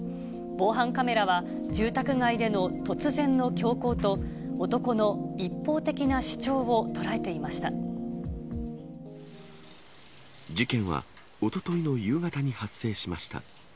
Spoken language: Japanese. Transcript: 防犯カメラは住宅街での突然の凶行と、男の一方的な主張を捉えて事件は、おとといの夕方に発生しました。